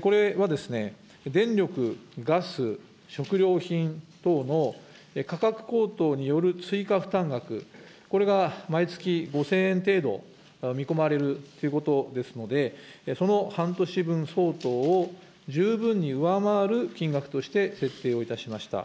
これは電力・ガス・食料品等の価格高騰による追加負担額、これが毎月５０００円程度見込まれるということですので、その半年分相当を十分に上回る金額として設定をいたしました。